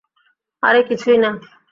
আরে কিছুই না।